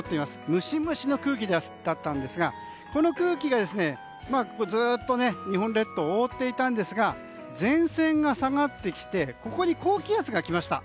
ムシムシの空気だったんですがこの空気が、ずっと日本列島を覆っていたんですが前線が下がってきて高気圧が来ました。